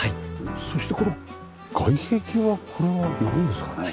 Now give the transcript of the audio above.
そしてこの外壁はこれはなんですかね？